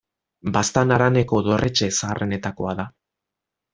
Baztan haraneko dorretxe zaharrenetakoa da.